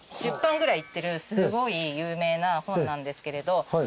１０版ぐらいいってるすごい有名な本なんですけれど。